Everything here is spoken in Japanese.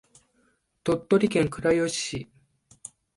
鳥取県倉吉市